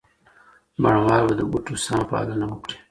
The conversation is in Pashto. بڼوال به د بوټو سمه پالنه وکړي.